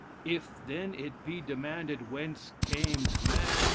If then it be demanded, Whence came man?